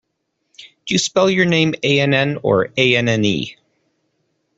Do you spell your name Ann or Anne?